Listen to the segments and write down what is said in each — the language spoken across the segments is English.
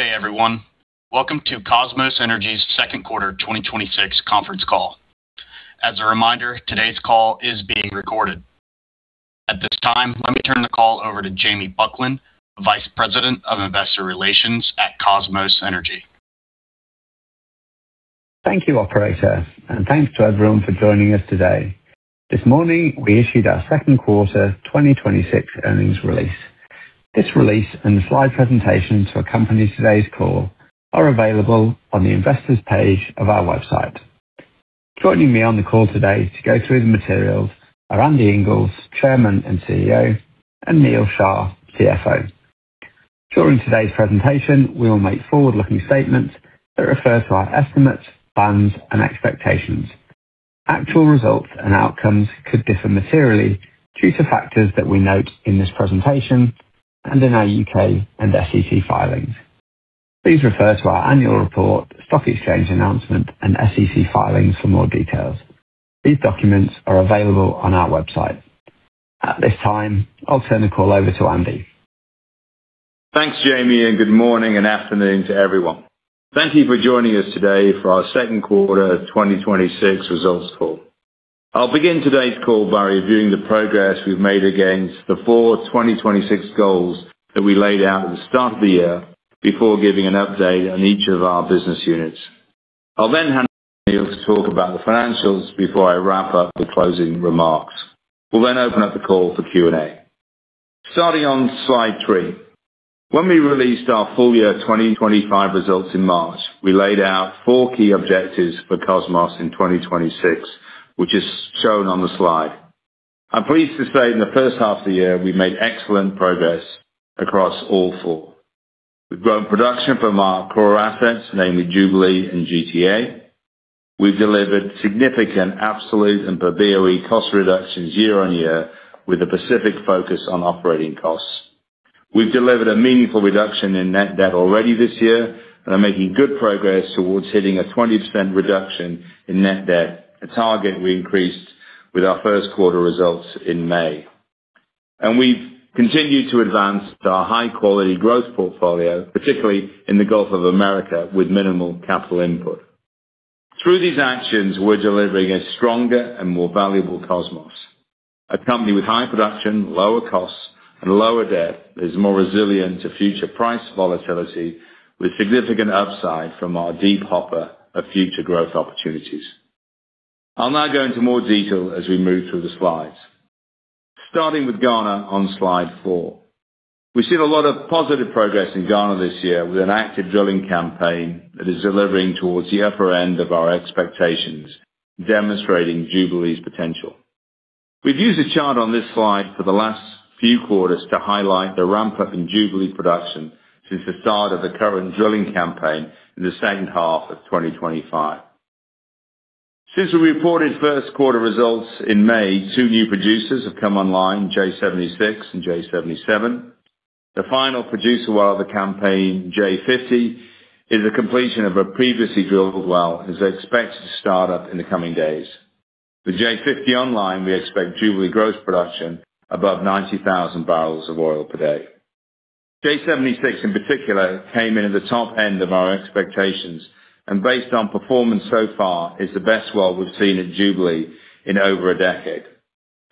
Good day, everyone. Welcome to Kosmos Energy's second quarter 2026 conference call. As a reminder, today's call is being recorded. At this time, let me turn the call over to Jamie Buckland, Vice President of Investor Relations at Kosmos Energy. Thank you, operator. Thanks to everyone for joining us today. This morning, we issued our second quarter 2026 earnings release. This release and the slide presentation to accompany today's call are available on the investors page of our website. Joining me on the call today to go through the materials are Andy Inglis, Chairman and CEO, and Neal Shah, CFO. During today's presentation, we will make forward-looking statements that refer to our estimates, plans, and expectations. Actual results and outcomes could differ materially due to factors that we note in this presentation and in our U.K. and SEC filings. Please refer to our annual report, stock exchange announcement, and SEC filings for more details. These documents are available on our website. At this time, I'll turn the call over to Andy. Thanks, Jamie. Good morning and afternoon to everyone. Thank you for joining us today for our second quarter 2026 results call. I'll begin today's call by reviewing the progress we've made against the four 2026 goals that we laid out at the start of the year before giving an update on each of our business units. I'll hand it to Neil to talk about the financials before I wrap up with closing remarks. We'll open up the call for Q&A. Starting on slide three. When we released our full year 2025 results in March, we laid out four key objectives for Kosmos in 2026, which is shown on the slide. I'm pleased to say, in the first half of the year, we've made excellent progress across all four. We've grown production from our core assets, namely Jubilee and GTA. We've delivered significant absolute and per BOE cost reductions year-on-year with a specific focus on operating costs. We've delivered a meaningful reduction in net debt already this year and are making good progress towards hitting a 20% reduction in net debt, a target we increased with our first quarter results in May. We've continued to advance our high-quality growth portfolio, particularly in the Gulf of Mexico, with minimal capital input. Through these actions, we're delivering a stronger and more valuable Kosmos, a company with high production, lower costs, and lower debt that is more resilient to future price volatility with significant upside from our deep hopper of future growth opportunities. I'll now go into more detail as we move through the slides. Starting with Ghana on slide four. We've seen a lot of positive progress in Ghana this year with an active drilling campaign that is delivering towards the upper end of our expectations, demonstrating Jubilee's potential. We've used the chart on this slide for the last few quarters to highlight the ramp-up in Jubilee production since the start of the current drilling campaign in the second half of 2025. Since we reported first quarter results in May, two new producers have come online, J76 and J77. The final producer well of the campaign, J50, is the completion of a previously drilled well, is expected to start up in the coming days. With J50 online, we expect Jubilee gross production above 90,000 bpd. J76 in particular came in at the top end of our expectations, and based on performance so far, is the best well we've seen at Jubilee in over a decade.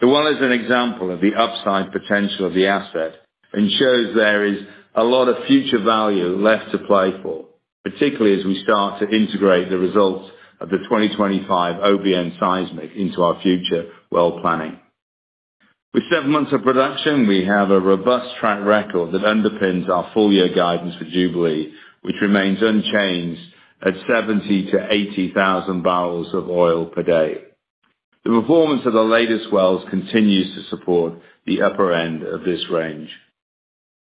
The well is an example of the upside potential of the asset and shows there is a lot of future value left to play for, particularly as we start to integrate the results of the 2025 OBN seismic into our future well planning. With seven months of production. We have a robust track record that underpins our full year guidance for Jubilee, which remains unchanged at 70,000-80,000 bpd. The performance of the latest wells continues to support the upper end of this range.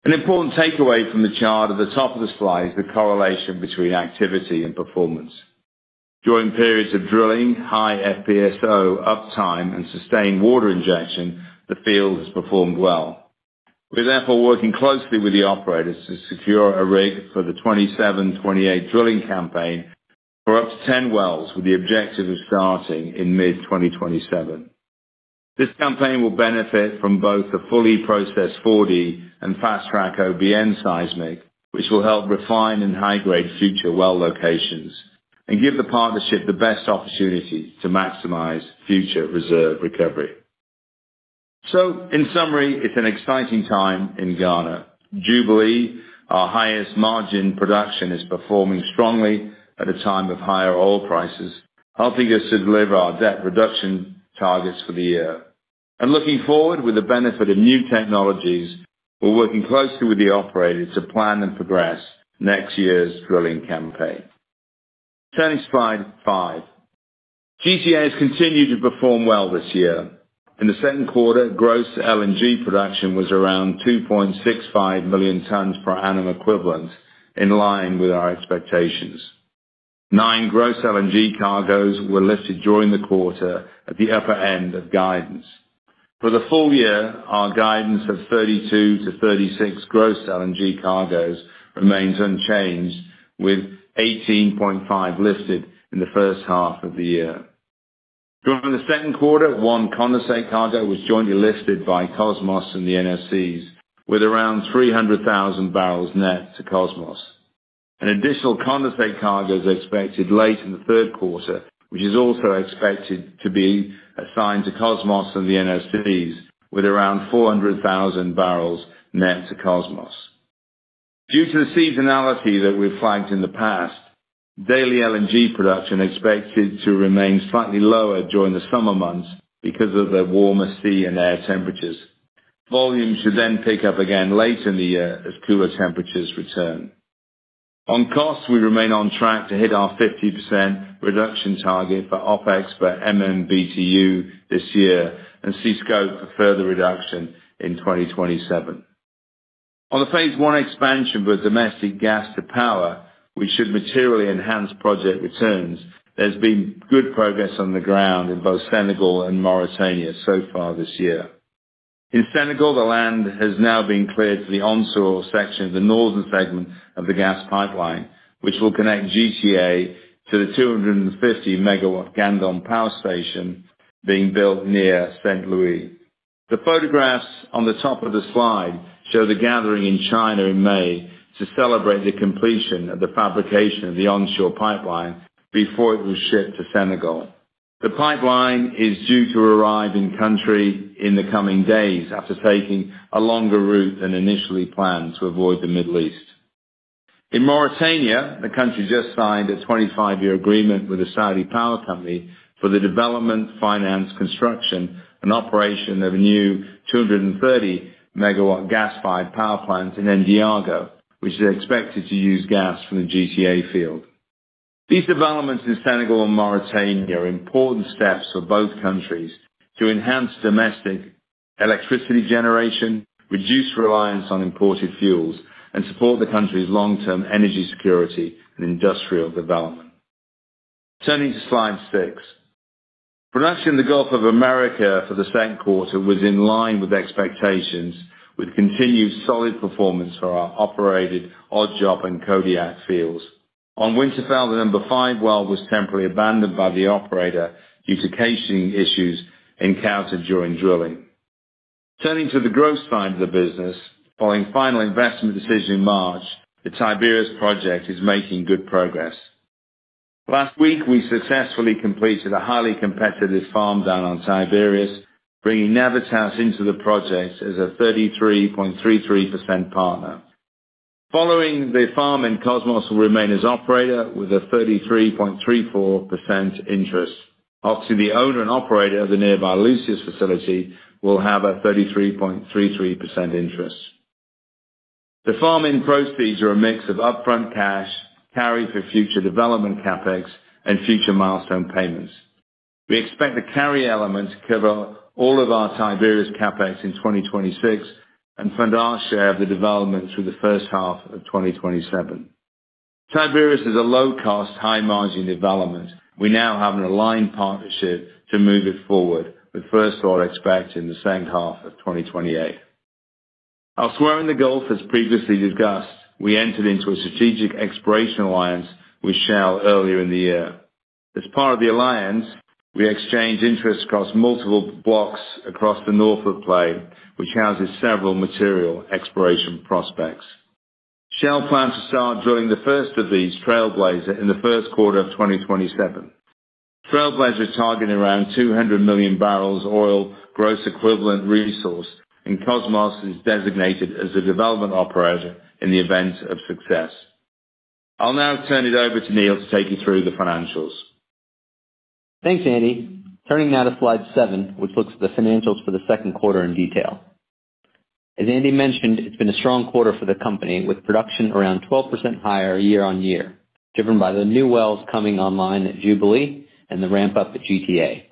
An important takeaway from the chart at the top of the slide is the correlation between activity and performance. During periods of drilling, high FPSO uptime, and sustained water injection, the field has performed well. We are therefore working closely with the operators to secure a rig for the 2027-2028 drilling campaign for up to 10 wells, with the objective of starting in mid-2027. This campaign will benefit from both the fully processed 4D and fast-track OBN seismic, which will help refine and high-grade future well locations and give the partnership the best opportunity to maximize future reserve recovery. In summary, it's an exciting time in Ghana. Jubilee, our highest margin production, is performing strongly at a time of higher oil prices, helping us to deliver our debt reduction targets for the year. Looking forward with the benefit of new technologies, we're working closely with the operators to plan and progress next year's drilling campaign. Turning to slide five. GTA has continued to perform well this year. In the second quarter, gross LNG production was around 2.65 million tons per annum equivalent, in line with our expectations. Nine gross LNG cargoes were lifted during the quarter at the upper end of guidance. For the full year, our guidance of 32-36 gross LNG cargoes remains unchanged, with 18.5 lifted in the first half of the year. During the second quarter, one condensate cargo was jointly listed by Kosmos and the NOCs, with around 300,000 bbl net to Kosmos. An additional condensate cargo is expected late in the third quarter, which is also expected to be assigned to Kosmos and the NOCs, with around 400,000 bbl net to Kosmos. Due to the seasonality that we've flagged in the past, daily LNG production expected to remain slightly lower during the summer months because of the warmer sea and air temperatures. Volumes should pick up again later in the year as cooler temperatures return. On costs, we remain on track to hit our 50% reduction target for OpEx per MMBtu this year and see scope for further reduction in 2027. On the phase I expansion with domestic gas to power, which should materially enhance project returns, there's been good progress on the ground in both Senegal and Mauritania so far this year. In Senegal, the land has now been cleared for the onshore section of the northern segment of the gas pipeline, which will connect GTA to the 250MW Gandon power station being built near Saint Louis. The photographs on the top of the slide show the gathering in China in May to celebrate the completion of the fabrication of the onshore pipeline before it was shipped to Senegal. The pipeline is due to arrive in country in the coming days after taking a longer route than initially planned to avoid the Middle East. In Mauritania, the country just signed a 25-year agreement with the Saudi Power Company for the development, finance, construction, and operation of a new 230 MW gas-fired power plant in Nouadhibou, which is expected to use gas from the GTA field. These developments in Senegal and Mauritania are important steps for both countries to enhance domestic electricity generation, reduce reliance on imported fuels, and support the country's long-term energy security and industrial development. Turning to slide six. Production in the Gulf of Mexico for the second quarter was in line with expectations, with continued solid performance for our operated Odd Job and Kodiak fields. On Winterfell, the number five well was temporarily abandoned by the operator due to casing issues encountered during drilling. Turning to the gross side of the business. Following final investment decision in March, the Tiberius project is making good progress. Last week, we successfully completed a highly competitive farm down on Tiberius, bringing Navitas into the project as a 33.33% partner. Following the farm-in, Kosmos will remain as operator with a 33.34% interest. OXY, the owner and operator of the nearby Lucius facility, will have a 33.33% interest. The farm-in proceeds are a mix of upfront cash, carry for future development CapEx, and future milestone payments. We expect the carry element to cover all of our Tiberius CapEx in 2026 and fund our share of the development through the first half of 2027. Tiberius is a low-cost, high-margin development. We now have an aligned partnership to move it forward, with first oil expected in the second half of 2028. Elsewhere in the Gulf, as previously discussed, we entered into a strategic exploration alliance with Shell earlier in the year. As part of the alliance, we exchanged interests across multiple blocks across the Norphlet play, which houses several material exploration prospects. Shell plan to start drilling the first of these, Trailblazer, in the first quarter of 2027. Trailblazer is targeting around 200 million barrels oil gross equivalent resource, and Kosmos is designated as a development operator in the event of success. I'll now turn it over to Neal to take you through the financials. Thanks, Andy. Turning now to slide seven, which looks at the financials for the second quarter in detail. As Andy mentioned, it has been a strong quarter for the company, with production around 12% higher year-on-year, driven by the new wells coming online at Jubilee and the ramp up at GTA.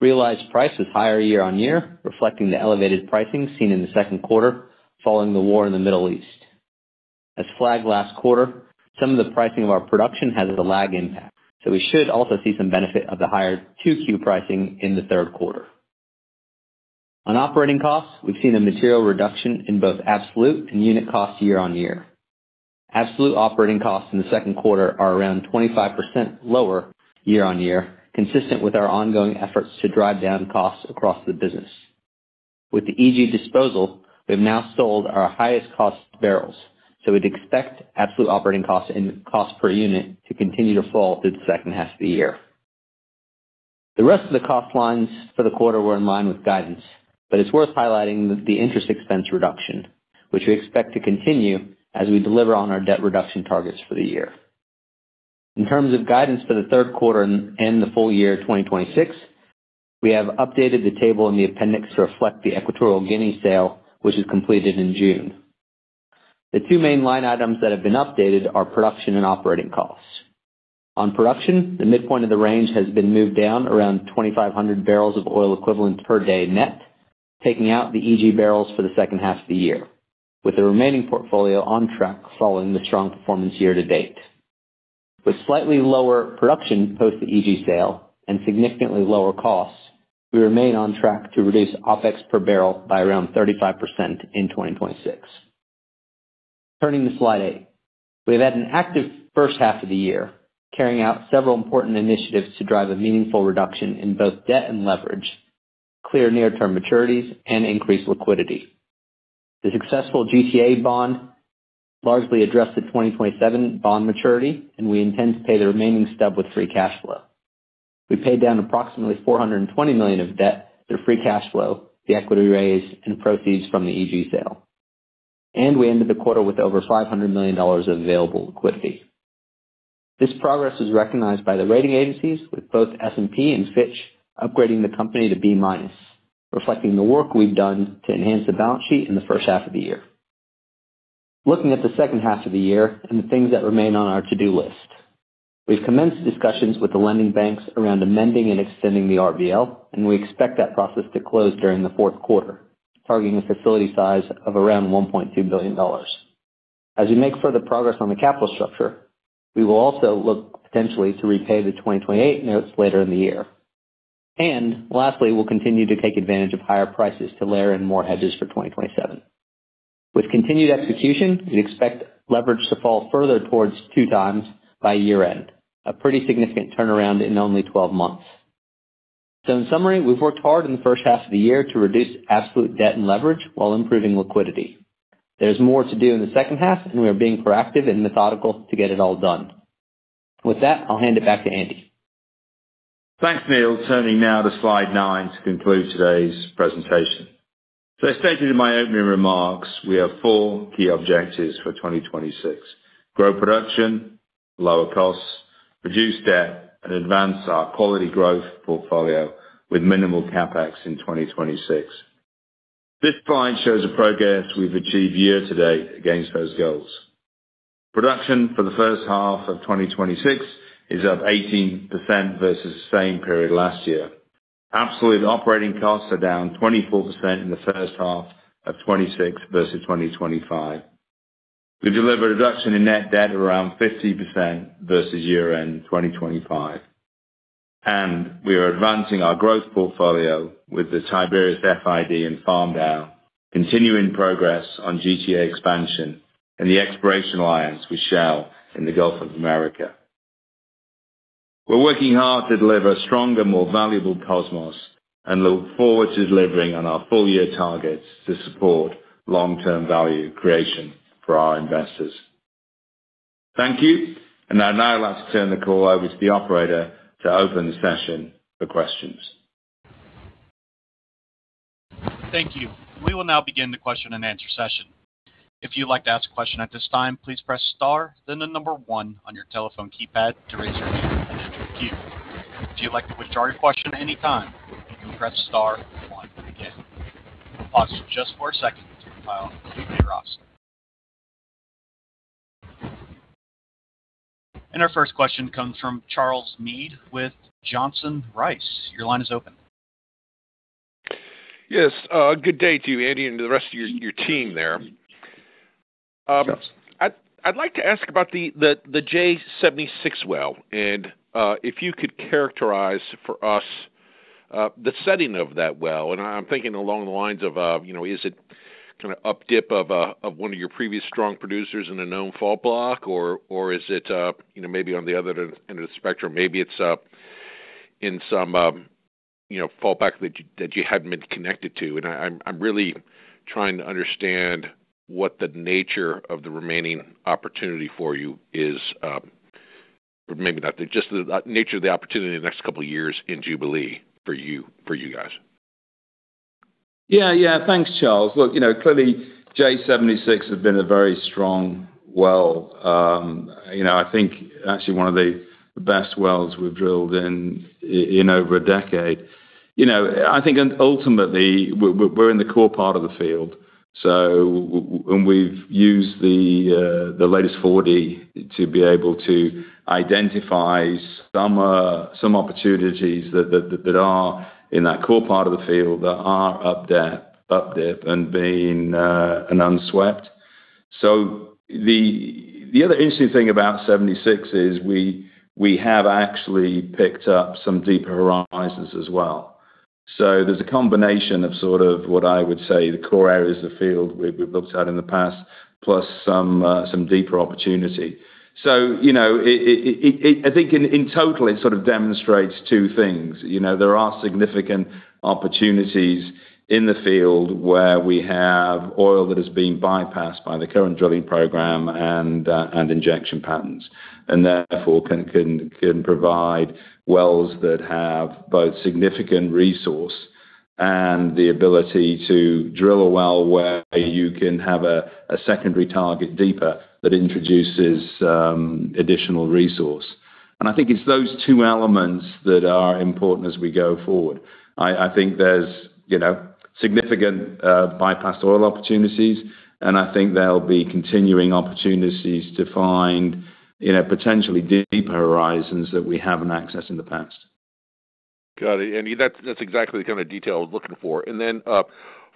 Realized price was higher year-on-year, reflecting the elevated pricing seen in the second quarter following the war in the Middle East. As flagged last quarter, some of the pricing of our production has a lag impact, so we should also see some benefit of the 2Q pricing in the third quarter. On operating costs, we have seen a material reduction in both absolute and unit cost year-on-year. Absolute operating costs in the second quarter are around 25% lower year-on-year, consistent with our ongoing efforts to drive down costs across the business. With the EG disposal, we have now sold our highest cost barrels. We would expect absolute operating costs and cost per unit to continue to fall through the second half of the year. The rest of the cost lines for the quarter were in line with guidance, but it is worth highlighting the interest expense reduction, which we expect to continue as we deliver on our debt reduction targets for the year. In terms of guidance for the third quarter and the full year 2026, we have updated the table in the appendix to reflect the Equatorial Guinea sale, which was completed in June. The two main line items that have been updated are production and operating costs. On production, the midpoint of the range has been moved down around 2,500 bbl of oil equivalent per day net, taking out the EG barrels for the second half of the year, with the remaining portfolio on track following the strong performance year-to-date. With slightly lower production post the EG sale and significantly lower costs, we remain on track to reduce OpEx per barrel by around 35% in 2026. Turning to slide eight, we have had an active first half of the year, carrying out several important initiatives to drive a meaningful reduction in both debt and leverage, clear near-term maturities, and increase liquidity. The successful GTA bond largely addressed the 2027 bond maturity, and we intend to pay the remaining stub with free cash flow. We paid down approximately $420 million of debt through free cash flow, the equity raise, and proceeds from the EG sale. We ended the quarter with over $500 million of available liquidity. This progress is recognized by the rating agencies, with both S&P and Fitch upgrading the company to B-minus, reflecting the work we have done to enhance the balance sheet in the first half of the year. Looking at the second half of the year and the things that remain on our to-do list, we have commenced discussions with the lending banks around amending and extending the RBL. We expect that process to close during the fourth quarter, targeting a facility size of around $1.2 billion. As we make further progress on the capital structure, we will also look potentially to repay the 2028 notes later in the year. Lastly, we will continue to take advantage of higher prices to layer in more hedges for 2027. With continued execution, we expect leverage to fall further towards two times by year-end, a pretty significant turnaround in only 12 months. In summary, we've worked hard in the first half of the year to reduce absolute debt and leverage while improving liquidity. There's more to do in the second half, and we are being proactive and methodical to get it all done. With that, I'll hand it back to Andy. Thanks, Neal. Turning now to slide nine to conclude today's presentation. As stated in my opening remarks, we have four key objectives for 2026, grow production, lower costs, reduce debt, and advance our quality growth portfolio with minimal CapEx in 2026. This slide shows the progress we've achieved year-to-date against those goals. Production for the first half of 2026 is up 18% versus the same period last year. Absolute operating costs are down 24% in the first half of 2026 versus 2025. We've delivered a reduction in net debt of around 50% versus year-end 2025. We are advancing our growth portfolio with the Tiberius FID in farm down, continuing progress on GTA expansion, and the exploration alliance with Shell in the Gulf of Mexico. We're working hard to deliver a stronger, more valuable Kosmos and look forward to delivering on our full-year targets to support long-term value creation for our investors. Thank you. I'd now like to turn the call over to the operator to open the session for questions. Thank you. We will now begin the question-and-answer session. If you'd like to ask a question at this time, please press star then the number one on your telephone keypad to raise your hand and enter a queue. If you'd like to withdraw your question at any time, you can press star one again. We'll pause just for a second to compile a complete list. Our first question comes from Charles Meade with Johnson Rice. Your line is open. Yes, good day to you, Andy, and to the rest of your team there. Charles. I'd like to ask about the J76 well. If you could characterize for us the setting of that well, I'm thinking along the lines of, is it kind of up-dip of one of your previous strong producers in a known fault block, or is it maybe on the other end of the spectrum, maybe it's in some fault block that you hadn't been connected to? I'm really trying to understand what the nature of the remaining opportunity for you is. Maybe not just the nature of the opportunity in the next couple of years in Jubilee for you guys. Yeah. Thanks, Charles. Look, clearly J76 has been a very strong well. I think actually one of the best wells we've drilled in over a 10 years. I think ultimately we're in the core part of the field. We've used the latest 4D to be able to identify some opportunities that are in that core part of the field that are up-dip and unswept. The other interesting thing about 76 is we have actually picked up some deeper horizons as well. There's a combination of sort of what I would say the core areas of the field we've looked at in the past, plus some deeper opportunity. I think in total, it sort of demonstrates two things. There are significant opportunities in the field where we have oil that is being bypassed by the current drilling program and injection patterns, therefore can provide wells that have both significant resource and the ability to drill a well where you can have a secondary target deeper that introduces additional resource. I think it's those two elements that are important as we go forward. I think there's significant bypassed oil opportunities, and I think there'll be continuing opportunities to find potentially deeper horizons that we haven't accessed in the past. Got it. Andy, that's exactly the kind of detail I was looking for. Then a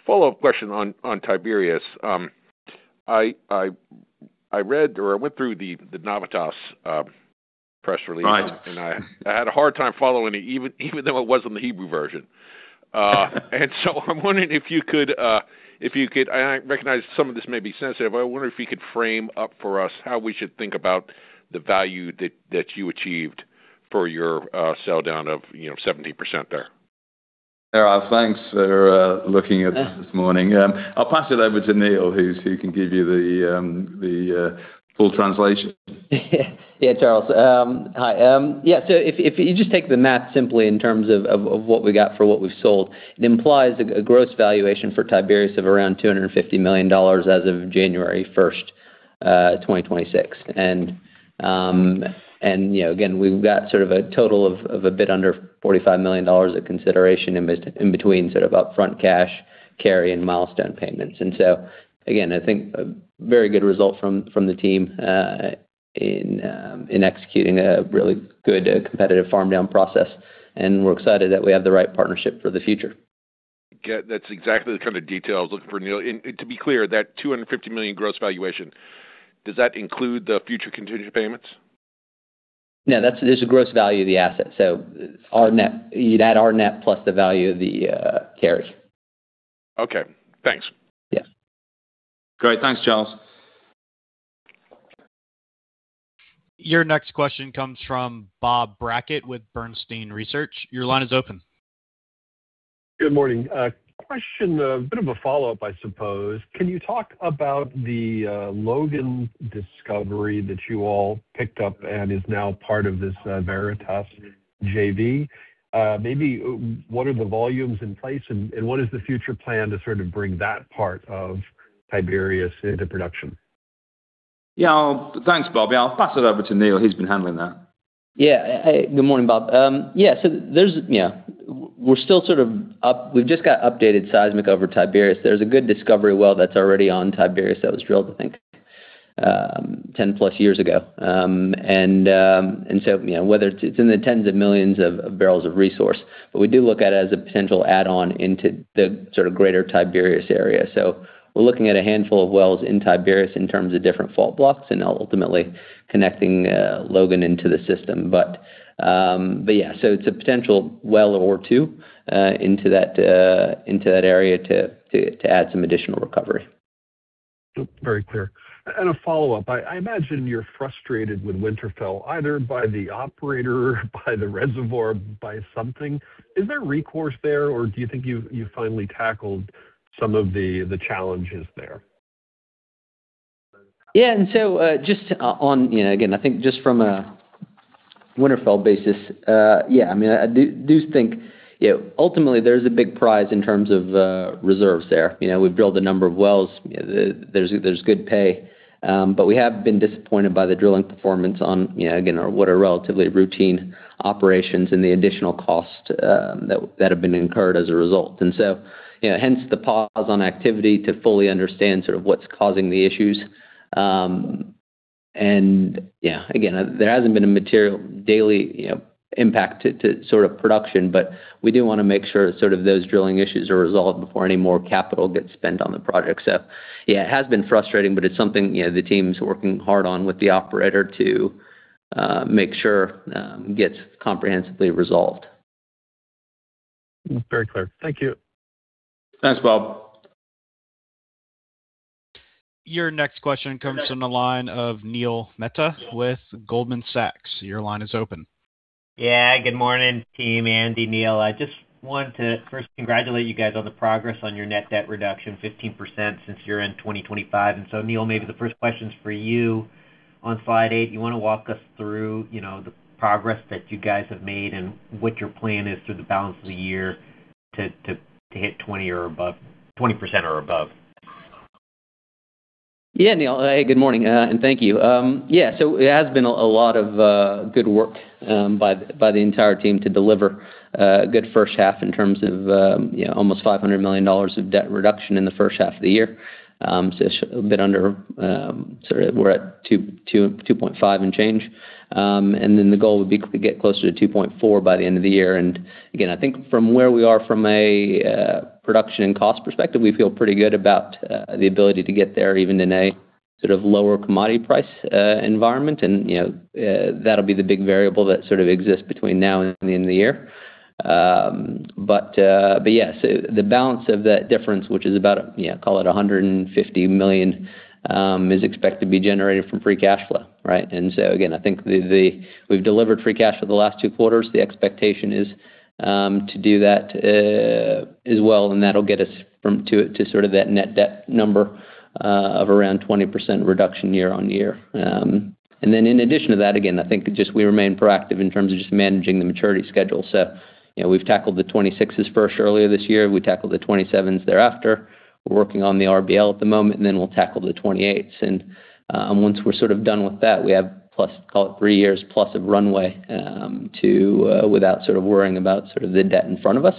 follow-up question on Tiberius. I read or I went through the Navitas press release. Right. I had a hard time following it, even though it was in the Hebrew version. I'm wondering if you could I recognize some of this may be sensitive. I wonder if you could frame up for us how we should think about the value that you achieved for your sell down of 70% there. Charles, thanks for looking at us this morning. I'll pass it over to Neal, who can give you the full translation. Yeah, Charles. Hi. Yeah. If you just take the math simply in terms of what we got for what we've sold, it implies a gross valuation for Tiberius of around $250 million as of January 1st, 2026. Again, we've got sort of a total of a bit under $45 million of consideration in between sort of upfront cash carry and milestone payments. Again, I think a very good result from the team in executing a really good competitive farm-down process. We're excited that we have the right partnership for the future. That's exactly the kind of detail I was looking for, Neil. To be clear, that $250 million gross valuation, does that include the future contingent payments? No, that's just the gross value of the asset. You'd add our net plus the value of the carry. Okay, thanks. Yeah. Great. Thanks, Charles. Your next question comes from Bob Brackett with Bernstein Research. Your line is open. Good morning. A question, a bit of a follow-up, I suppose. Can you talk about the Logan discovery that you all picked up and is now part of this Navitas JV? Maybe what are the volumes in place, and what is the future plan to sort of bring that part of Tiberius into production? Yeah. Thanks, Bob. I'll pass it over to Neal. He's been handling that. Yeah. Hey, good morning, Bob. We've just got updated seismic over Tiberius. There's a good discovery well that's already on Tiberius that was drilled, I think, 10+ years ago. It's in the tens of millions of barrels of resource, but we do look at it as a potential add-on into the sort of greater Tiberius area. We're looking at a handful of wells in Tiberius in terms of different fault blocks and ultimately connecting Logan into the system. It's a potential well or two into that area to add some additional recovery. Very clear. A follow-up. I imagine you're frustrated with Winterfell, either by the operator, by the reservoir, by something. Is there recourse there, or do you think you finally tackled some of the challenges there? Yeah. Just on, again, I think just from a Winterfell basis, yeah, I do think ultimately there is a big prize in terms of reserves there. We've drilled a number of wells. There's good pay. We have been disappointed by the drilling performance on, again, what are relatively routine operations and the additional cost that have been incurred as a result. Hence the pause on activity to fully understand sort of what's causing the issues. Yeah, again, there hasn't been a material daily impact to sort of production, we do want to make sure sort of those drilling issues are resolved before any more capital gets spent on the project. Yeah, it has been frustrating, it's something the team's working hard on with the operator to make sure gets comprehensively resolved. Very clear. Thank you. Thanks, Bob. Your next question comes from the line of Neil Mehta with Goldman Sachs. Your line is open. Yeah, good morning, team. Andy, Neal, I just wanted to first congratulate you guys on the progress on your net debt reduction, 15% since year-end 2025. Neil, maybe the first question's for you on slide eight. You want to walk us through the progress that you guys have made and what your plan is through the balance of the year to hit 20% or above? Yeah. Neal, good morning, and thank you. It has been a lot of good work by the entire team to deliver a good first half in terms of almost $500 million of debt reduction in the first half of the year. A bit under, we're at 2.5 and change. The goal would be to get closer to 2.4 by the end of the year. Again, I think from where we are from a production and cost perspective, we feel pretty good about the ability to get there even in a sort of lower commodity price environment. That'll be the big variable that sort of exists between now and the end of the year. The balance of that difference, which is about, call it $150 million, is expected to be generated from free cash flow, right? Again, I think we've delivered free cash for the last two quarters. The expectation is to do that as well, and that'll get us to sort of that net debt number of around 20% reduction year-on-year. In addition to that, again, I think we remain proactive in terms of just managing the maturity schedule. We've tackled the 2026s first earlier this year. We tackled the 2027s thereafter. We're working on the RBL at the moment, we'll tackle the 2028s. Once we're sort of done with that, we have, call it 3+ years of runway, without sort of worrying about sort of the debt in front of us.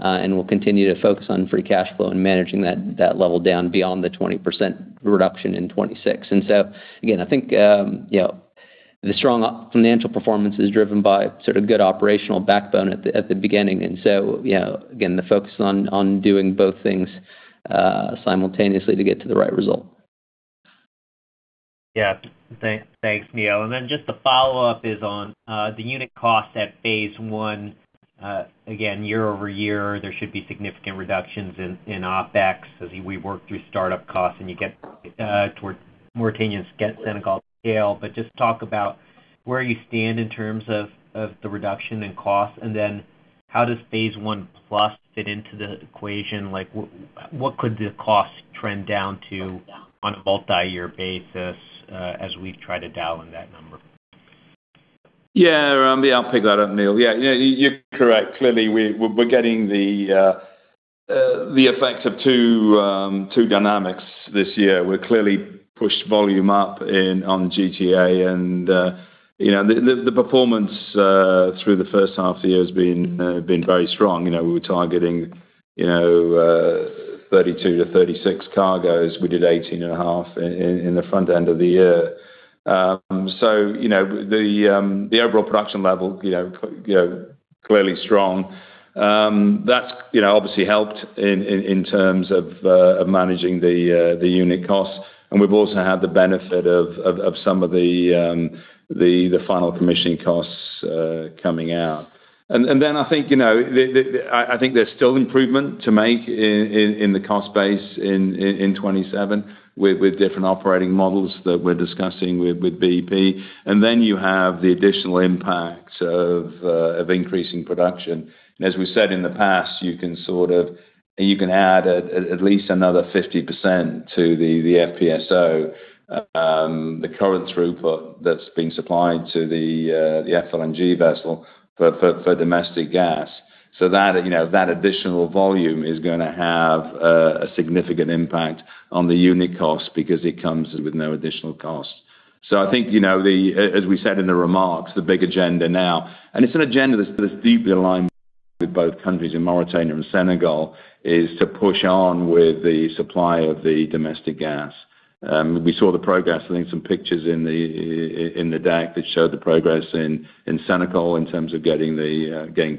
We'll continue to focus on free cash flow and managing that debt level down beyond the 20% reduction in 2026. Again, I think the strong financial performance is driven by sort of good operational backbone at the beginning. Again, the focus on doing both things simultaneously to get to the right result. Yeah. Thanks, Neal. Just the follow-up is on the unit cost at phase I. Again, year-over-year, there should be significant reductions in OpEx as we work through startup costs and you get toward Mauritania, Senegal scale. Just talk about where you stand in terms of the reduction in cost, and then how does phase I+ fit into the equation? What could the cost trend down to on a multi-year basis as we try to dial in that number? Yeah. Neil, I'll pick that up, Neal. Yeah, you're correct. Clearly, we're getting the effects of two dynamics this year. We're clearly pushed volume up on GTA. The performance through the first half of the year has been very strong. We were targeting 32-36 cargoes. We did 18.5 in the front end of the year. The overall production level, clearly strong. That obviously helped in terms of managing the unit cost. We've also had the benefit of some of the final commissioning costs coming out. I think there's still improvement to make in the cost base in 2027 with different operating models that we're discussing with BP. You have the additional impacts of increasing production. As we said in the past, you can add at least another 50% to the FPSO, the current throughput that's being supplied to the FLNG vessel for domestic gas. That additional volume is going to have a significant impact on the unit cost because it comes with no additional cost. I think, as we said in the remarks, the big agenda now, it's an agenda that's deeply aligned with both countries in Mauritania and Senegal, is to push on with the supply of the domestic gas. We saw the progress, I think some pictures in the deck that showed the progress in Senegal in terms of getting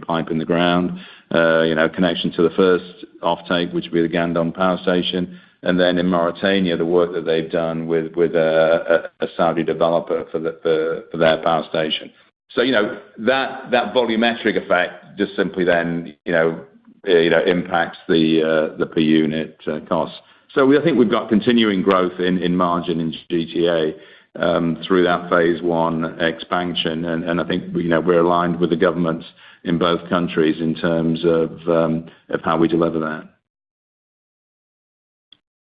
pipe in the ground, connection to the first offtake, which will be the Gandon Power Station. In Mauritania, the work that they've done with a Saudi developer for their power station. That volumetric effect just simply then impacts the per unit cost. I think we've got continuing growth in margin in GTA through that phase I expansion. I think we're aligned with the governments in both countries in terms of how we deliver that.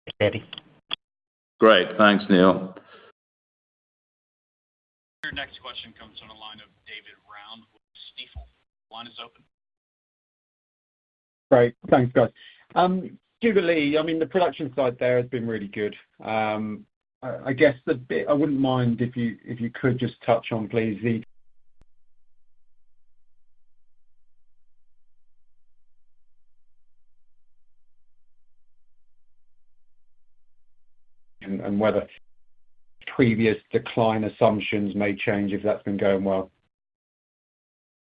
Thanks, Andy. Great. Thanks, Neil. Your next question comes from the line of David Round with Stifel. Line is open. Great. Thanks, guys. Jubilee, the production side there has been really good. I guess I wouldn't mind if you could just touch on, please, the and whether previous decline assumptions may change if that's been going well.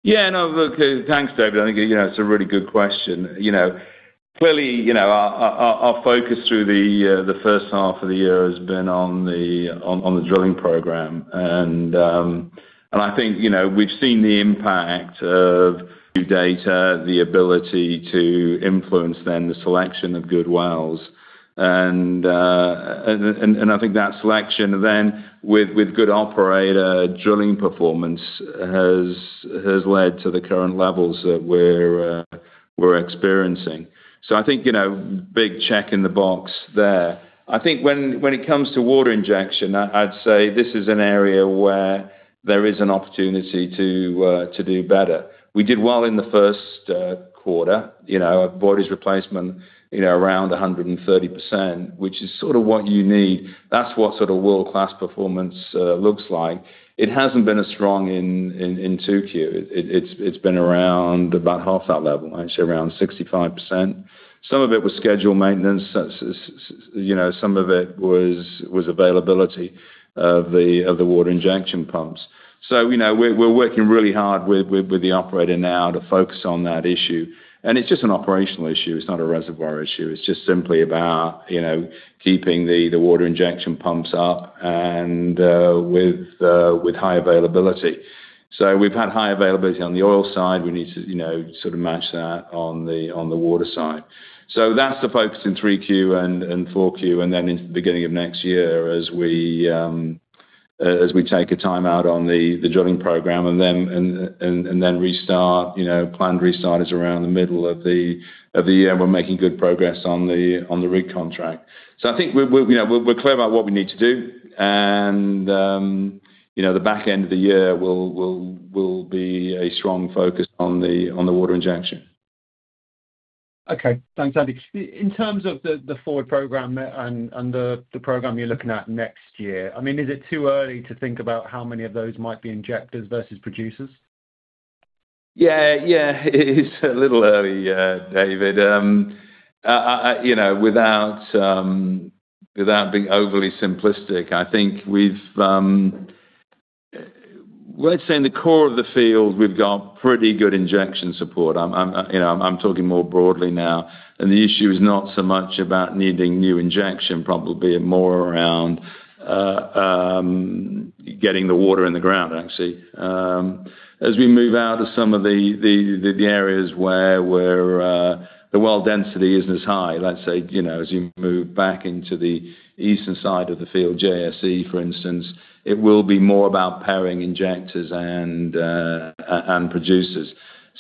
Yeah. No, look. Thanks, David. I think it's a really good question. Clearly, our focus through the first half of the year has been on the drilling program. I think we've seen the impact of new data, the ability to influence, then the selection of good wells. I think that selection then with good operator drilling performance has led to the current levels that we're experiencing. I think, big check in the box there. I think when it comes to water injection, I'd say this is an area where there is an opportunity to do better. We did well in the first quarter. Volumes replacement around 130%, which is sort of what you need. That's what sort of world-class performance looks like. It hasn't been as strong in 2Q. It's been around about half that level, I'd say around 65%. Some of it was scheduled maintenance. Some of it was availability of the water injection pumps. We're working really hard with the operator now to focus on that issue. It's just an operational issue. It's not a reservoir issue. It's just simply about keeping the water injection pumps up and with high availability. We've had high availability on the oil side. We need to sort of match that on the water side. That's the focus in 3Q and 4Q, then into the beginning of next year as we take a timeout on the drilling program and then restart. Planned restart is around the middle of the year. We're making good progress on the rig contract. I think we're clear about what we need to do. The back end of the year will be a strong focus on the water injection. Okay. Thanks, Andy. In terms of the forward program and the program you're looking at next year, is it too early to think about how many of those might be injectors versus producers? Yeah. It's a little early, David. Without being overly simplistic, I think, let's say in the core of the field, we've got pretty good injection support. I'm talking more broadly now, and the issue is not so much about needing new injection, probably more around getting the water in the ground, actually. As we move out of some of the areas where the well density isn't as high, let's say, as you move back into the eastern side of the field, JSE, for instance, it will be more about pairing injectors and producers.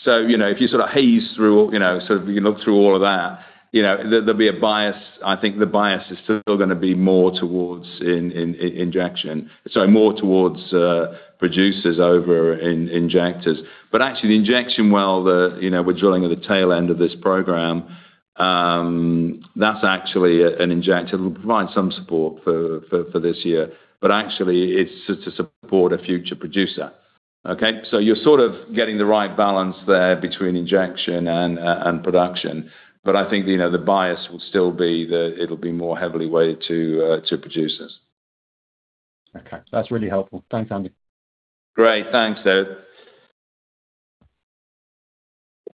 If you haze through, you can look through all of that, there'll be a bias. I think the bias is still going to be more towards injection. Sorry, more towards producers over injectors. Actually, the injection well, we're drilling at the tail end of this program. That's actually an injector. It'll provide some support for this year, actually, it's just to support a future producer. Okay? You're sort of getting the right balance there between injection and production. I think, the bias will still be that it'll be more heavily weighted to producers. Okay. That's really helpful. Thanks, Andy. Great. Thanks, David.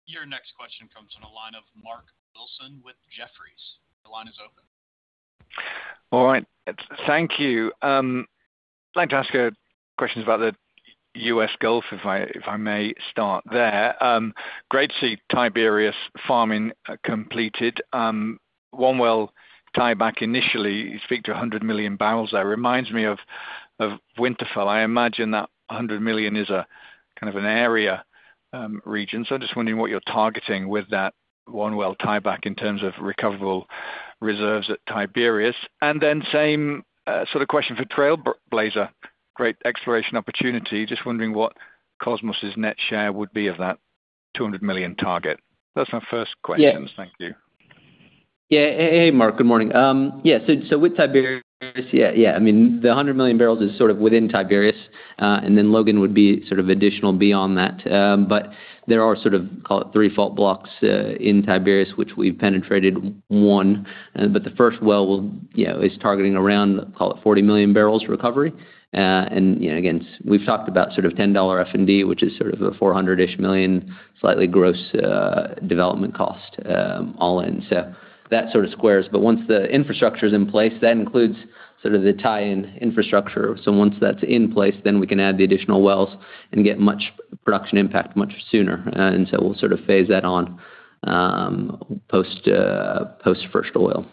Your next question comes from the line of Mark Wilson with Jefferies. Your line is open. All right. Thank you. I'd like to ask questions about the U.S. Gulf, if I may start there. Great to see Tiberius farming completed. One well tieback initially, you speak to 100 million barrels there. Reminds me of Winterfell. I imagine that 100 million barrels is a kind of an area, region. Just wondering what you're targeting with that one well tieback in terms of recoverable reserves at Tiberius. Same sort of question for Trailblazer. Great exploration opportunity. Just wondering what Kosmos' net share would be of that 200 million target. That's my first question. Yeah. Thank you. Yeah. Hey, Mark. Good morning. Yeah. With Tiberius, yeah, the 100 million barrels is sort of within Tiberius. Logan would be additional beyond that. There are sort of, call it three fault blocks in Tiberius, which we've penetrated one. The first well is targeting around, call it 40 million barrels recovery. Again, we've talked about sort of $10 F&D, which is sort of a $400-ish million slightly gross development cost all in. That sort of squares. Once the infrastructure's in place, that includes the tie-in infrastructure. Once that's in place, we can add the additional wells and get production impact much sooner. We'll phase that on post first oil.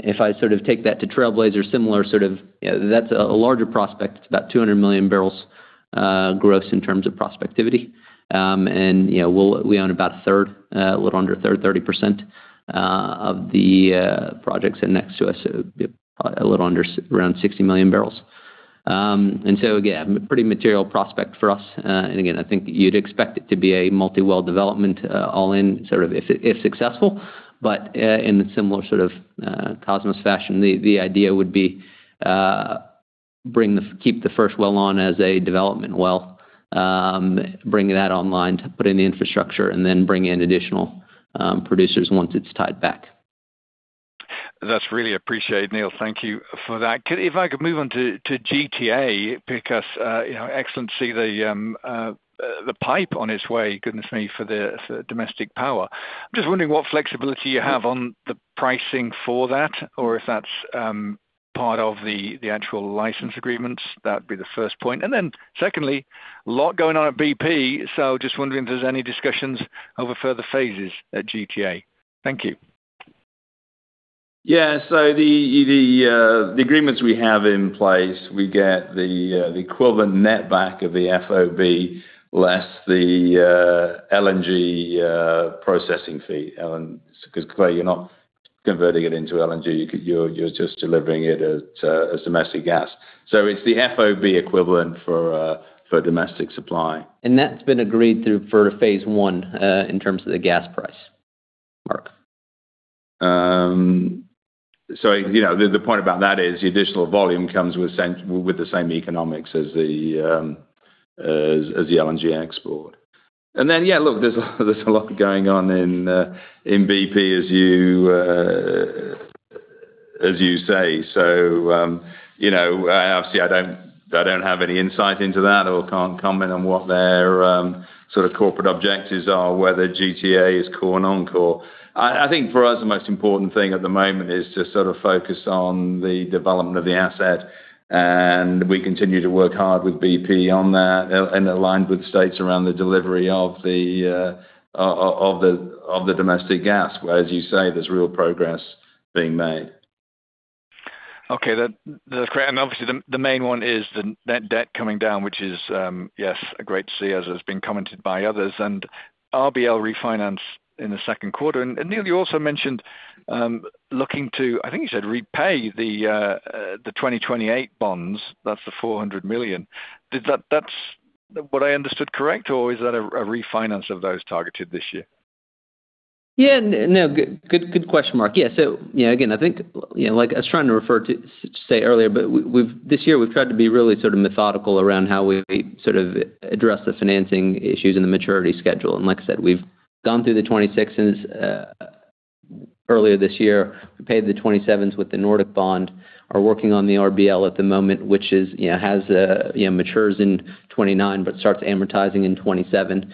If I take that to Trailblazer, That's a larger prospect. It's about 200 million barrels gross in terms of prospectivity. We own about a third, a little under 30% of the projects sit next to us. A little under around 60 million barrels. Again, pretty material prospect for us. Again, I think you'd expect it to be a multi-well development all in if successful. In the similar sort of Kosmos fashion. The idea would be keep the first well on as a development well, bring that online to put in the infrastructure, and then bring in additional producers once it's tied back. That's really appreciated, Neal. Thank you for that. If I could move on to GTA, because excellent to see the pipe on its way, goodness me, for the domestic power. I'm just wondering what flexibility you have on the pricing for that or if that's part of the actual license agreements. That'd be the first point. Secondly, just wondering if there's any discussions over further phases at GTA. Thank you. The agreements we have in place, we get the equivalent net back of the FOB, less the LNG processing fee. You're not converting it into LNG, you're just delivering it as domestic gas. It's the FOB equivalent for domestic supply. That's been agreed through phase I, in terms of the gas price, Mark. The point about that is the additional volume comes with the same economics as the LNG export. Yeah, look, there's a lot going on in BP as you say. Obviously I don't have any insight into that or can't comment on what their corporate objectives are, whether GTA is core or non-core. I think for us, the most important thing at the moment is to sort of focus on the development of the asset, and we continue to work hard with BP on that and aligned with states around the delivery of the domestic gas, where as you say, there's real progress being made. Okay. Obviously the main one is the net debt coming down, which is, yes, great to see, as has been commented by others. RBL refinance in the second quarter. Neal, you also mentioned looking to, I think you said repay the 2028 bonds. That's the $400 million. That's what I understood correct, or is that a refinance of those targeted this year? Yeah, no, good question, Mark. Yeah. Again, I think, like I was trying to refer to say earlier, but this year we've tried to be really sort of methodical around how we address the financing issues and the maturity schedule. Like I said, we've gone through the 2026s. Earlier this year, we paid the 2027s with the Nordic bond. We are working on the RBL at the moment, which matures in 2029 but starts amortizing in 2027.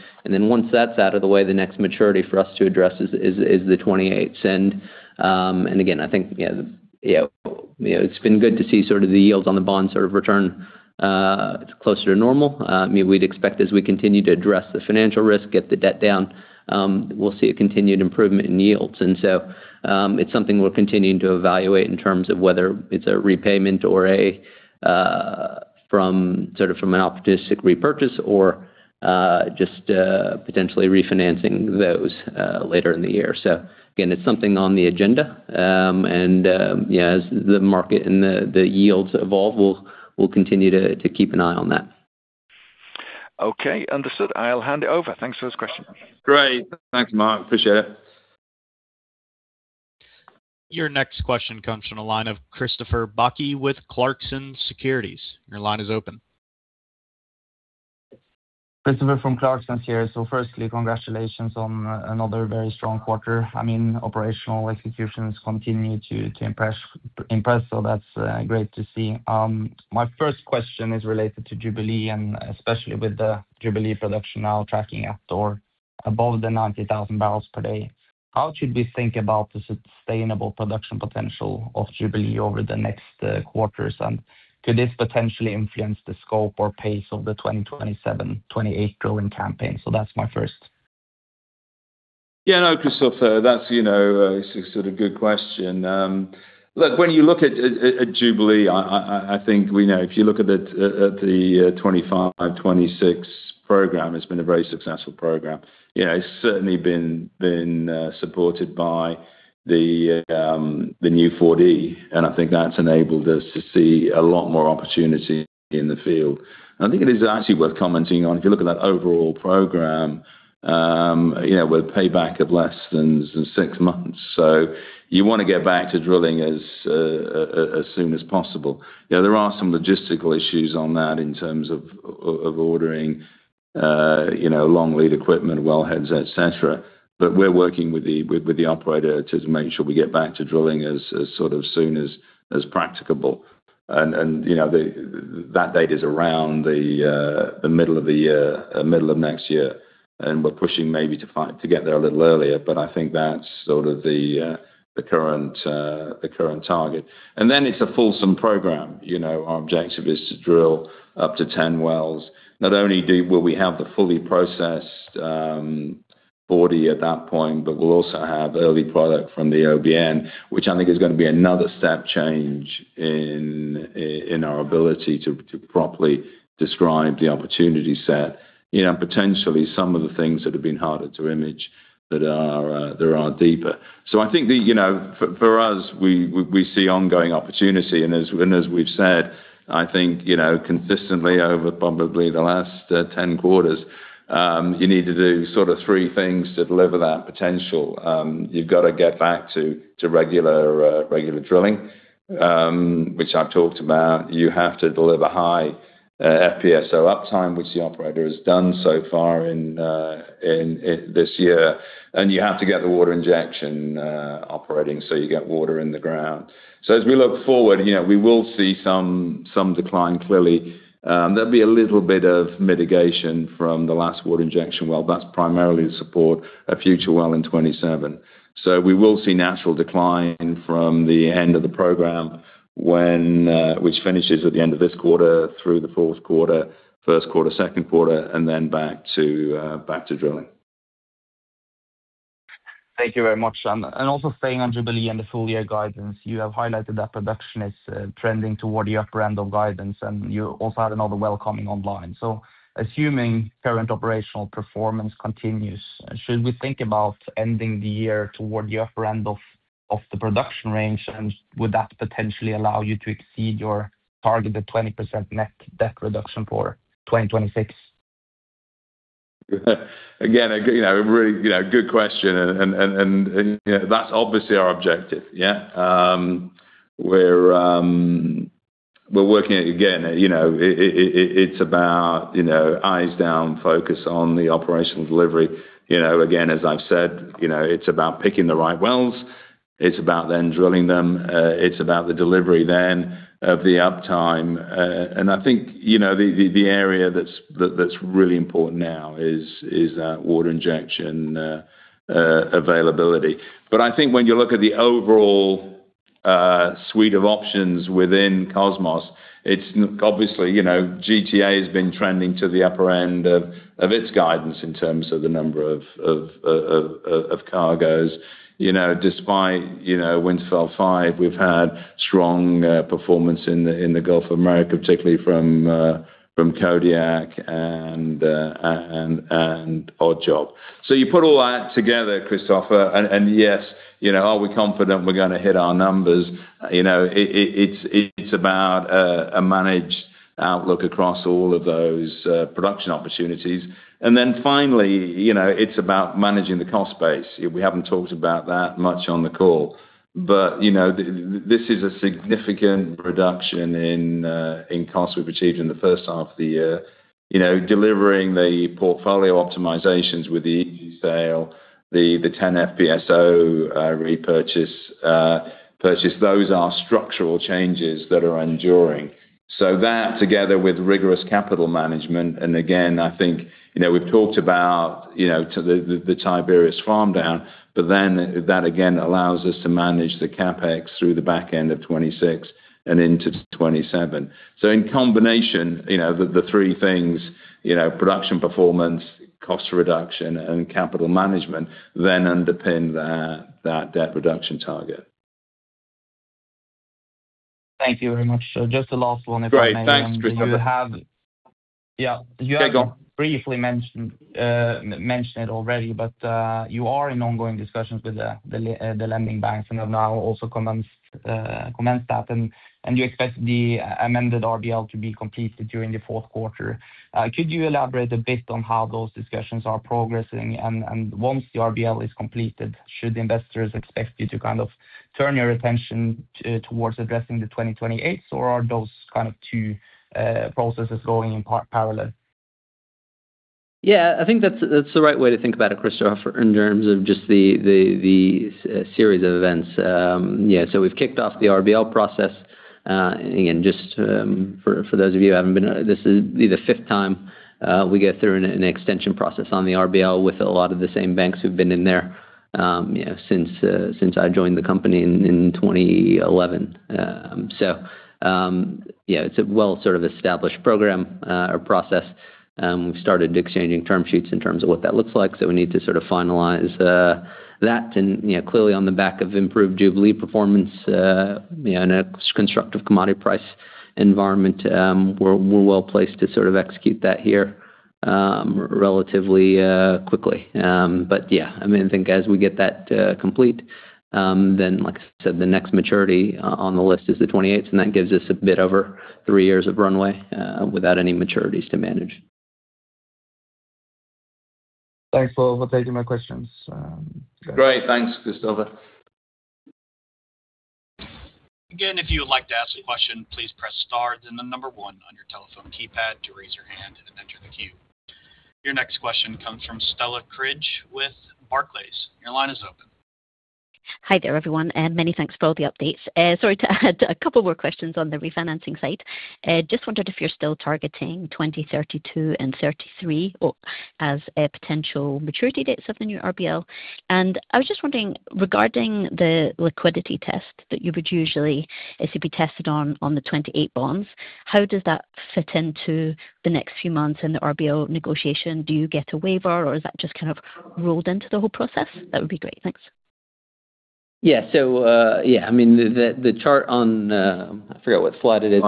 Once that's out of the way, the next maturity for us to address is the 2028s. Again, I think it's been good to see the yields on the bonds return closer to normal. We'd expect as we continue to address the financial risk, get the debt down, we'll see a continued improvement in yields. It's something we're continuing to evaluate in terms of whether it's a repayment from an opportunistic repurchase or just potentially refinancing those later in the year. Again, it's something on the agenda, and as the market and the yields evolve, we'll continue to keep an eye on that. Okay. Understood. I'll hand it over. Thanks for those questions. Great. Thanks, Mark. Appreciate it. Your next question comes from the line of Christoffer Bachke with Clarksons Securities. Your line is open. Christoffer from Clarkson here. Firstly, congratulations on another very strong quarter. Operational executions continue to impress, so that's great to see. My first question is related to Jubilee, and especially with the Jubilee production now tracking at or above the 90,000 bpd. How should we think about the sustainable production potential of Jubilee over the next quarters, and could this potentially influence the scope or pace of the 2027-28 drilling campaign? That's my first. Yeah, no, Christoffer. That's a good question. Look, when you look at Jubilee, if you look at the 2025, 2026 program, it's been a very successful program. It's certainly been supported by the new 4D, and I think that's enabled us to see a lot more opportunity in the field. I think it is actually worth commenting on. If you look at that overall program, with payback of less than six months. You want to get back to drilling as soon as possible. There are some logistical issues on that in terms of ordering long lead equipment, well heads, etc. We're working with the operator to make sure we get back to drilling as soon as practicable. That date is around the middle of next year, and we're pushing maybe to get there a little earlier. I think that's the current target. It's a fulsome program. Our objective is to drill up to 10 wells. Not only will we have the fully processed 4D at that point, but we'll also have early product from the OBN, which I think is going to be another step change in our ability to properly describe the opportunity set. Potentially some of the things that have been harder to image that are deeper. I think for us, we see ongoing opportunity, and as we've said, I think consistently over probably the last 10 quarters, you need to do three things to deliver that potential. You've got to get back to regular drilling, which I've talked about. You have to deliver high FPSO uptime, which the operator has done so far this year, and you have to get the water injection operating so you get water in the ground. As we look forward, we will see some decline clearly. There'll be a little bit of mitigation from the last water injection well. That's primarily to support a future well in 2027. We will see natural decline from the end of the program, which finishes at the end of this quarter through the fourth quarter, first quarter, second quarter, and then back to drilling. Thank you very much. Also staying on Jubilee and the full year guidance, you have highlighted that production is trending toward the upper end of guidance, you also had another well coming online. Assuming current operational performance continues, should we think about ending the year toward the upper end of the production range, and would that potentially allow you to exceed your targeted 20% net debt reduction for 2026? A really good question, that's obviously our objective. We're working it again. It's about eyes down, focus on the operational delivery. As I've said, it's about picking the right wells. It's about drilling them. It's about the delivery of the uptime. I think the area that's really important now is that water injection availability. I think when you look at the overall suite of options within Kosmos, GTA has been trending to the upper end of its guidance in terms of the number of cargoes. Despite Winterfell 5, we've had strong performance in the Gulf of Mexico, particularly from Kodiak and Odd Job. You put all that together, Christoffer, are we confident we're going to hit our numbers? It's about a managed outlook across all of those production opportunities. Finally, it's about managing the cost base. We haven't talked about that much on the call. This is a significant reduction in costs we've achieved in the first half of the year. Delivering the portfolio optimizations with the EG sale, the TEN FPSO repurchase. Those are structural changes that are enduring. That together with rigorous capital management, I think we've talked about the Tiberius farm down, that again allows us to manage the CapEx through the back end of 2026 and into 2027. In combination, the three things, production performance, cost reduction, and capital management underpin that debt reduction target. Thank you very much. Just the last one, if I may. Great. Thanks, Christoffer. Yeah. Okay, go on. You have briefly mentioned it already. You are in ongoing discussions with the lending banks and have now also commenced that. You expect the amended RBL to be completed during the fourth quarter. Could you elaborate a bit on how those discussions are progressing, and once the RBL is completed, should investors expect you to kind of turn your attention towards addressing the 2028, or are those two processes going in parallel? Yeah, I think that's the right way to think about it, Christoffer, in terms of just the series of events. We've kicked off the RBL process. Again, just for those of you who haven't been, this will be the fifth time we get through an extension process on the RBL with a lot of the same banks who've been in there since I joined the company in 2011. Yeah, it's a well sort of established program or process. We've started exchanging term sheets in terms of what that looks like. We need to sort of finalize that and clearly on the back of improved Jubilee performance, in a constructive commodity price environment, we're well-placed to sort of execute that here relatively quickly. Yeah, I think as we get that complete, then like I said, the next maturity on the list is the 2028, and that gives us a bit over three years of runway without any maturities to manage. Thanks for taking my questions. Great. Thanks, Christoffer. Again, if you would like to ask a question, please press star, then the number one on your telephone keypad to raise your hand and enter the queue. Your next question comes from Stella Cridge with Barclays. Your line is open. Hi there, everyone. Many thanks for all the updates. Sorry to add two more questions on the refinancing side. Just wondered if you're still targeting 2032 and 2033 as potential maturity dates of the new RBL. I was just wondering, regarding the liquidity test that you would usually be tested on the 2028 bonds, how does that fit into the next few months in the RBL negotiation? Do you get a waiver or is that just kind of rolled into the whole process? That would be great. Thanks. Yeah. I mean, the chart. I forget what slide it is.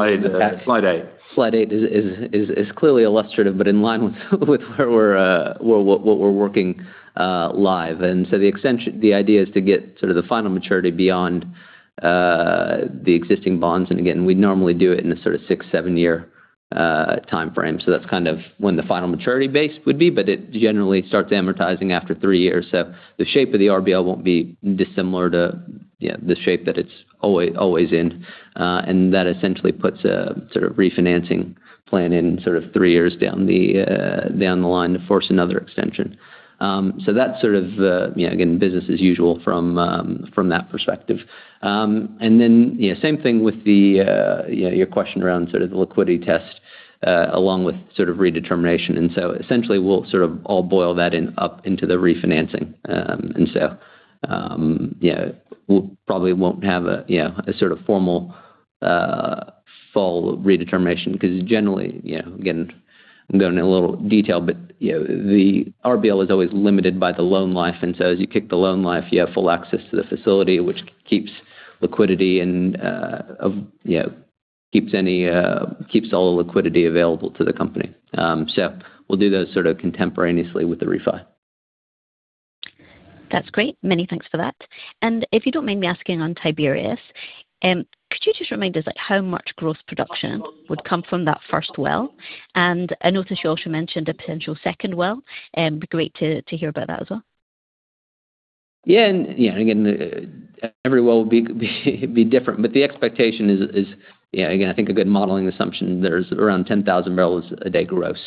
Slide eight. Slide eight is clearly illustrative, but in line with what we're working live. The idea is to get sort of the final maturity beyond the existing bonds. Again, we'd normally do it in a sort of six, seven year timeframe. That's kind of when the final maturity base would be, but it generally starts amortizing after three years. The shape of the RBL won't be dissimilar to the shape that it's always in. That essentially puts a sort of refinancing plan in sort of three years down the line to force another extension. That's sort of again, business as usual from that perspective. Same thing with your question around the liquidity test, along with sort of redetermination. Essentially we'll sort of all boil that up into the refinancing. We probably won't have a sort of formal, full redetermination because generally, again, I'm going in a little detail, but the RBL is always limited by the loan life. As you kick the loan life, you have full access to the facility, which keeps all the liquidity available to the company. We'll do those sort of contemporaneously with the refi. That's great. Many thanks for that. If you don't mind me asking on Tiberius, could you just remind us, like how much gross production would come from that first well? I notice you also mentioned a potential second well. Be great to hear about that as well. Yeah. Again, every well will be different, but the expectation is, I think a good modeling assumption, there's around 10,000 bpd gross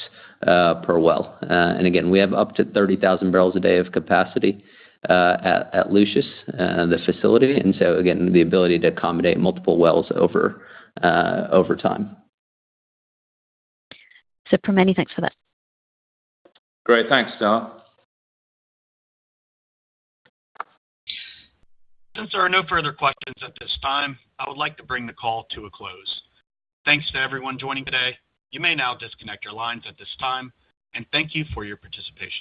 per well. Again, we have up to 30,000 bpd of capacity at Lucius, the facility. Again, the ability to accommodate multiple wells over time. Super. Many thanks for that. Great. Thanks, Stella. Since there are no further questions at this time, I would like to bring the call to a close. Thanks to everyone joining today. You may now disconnect your lines at this time, and thank you for your participation.